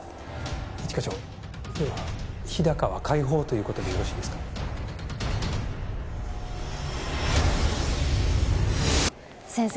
一課長では日高は解放ということでよろしいですか先生